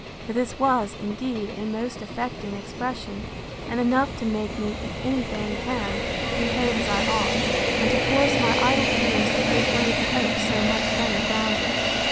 For this was, indeed, a most affecting expression, and enough to make me, if any thing can, behave as I ought, and to force my idle fears to give way to hopes so much better grounded.